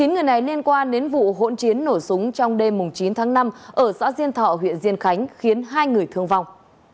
chín người này liên quan đến vụ hỗn chiến nổ súng trong đêm chín tháng năm ở xã diên thọ huyện diên khánh khiến hai người thương vong